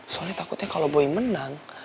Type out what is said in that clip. soalnya takutnya kalau boy menang